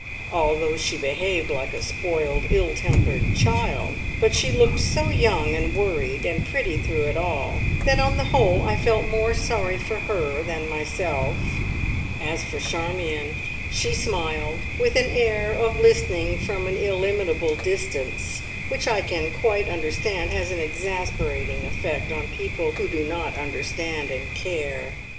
Altogether she behaved like a spoiled, ill tempered child, but she looked so young and worried and pretty through it all, that on the whole I felt more sorry for her than myself. As for Charmion, she smiled, with an air of listening from an illimitable distance, which I can quite understand has an exasperating effect on people who do not understand and care.